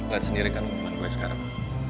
let's endirikan hubungan gue sekarang